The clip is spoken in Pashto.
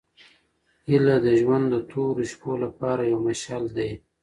هیله د ژوند د تورو شپو لپاره یو مشعل دی.